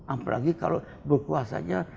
apalagi kalau berkuasanya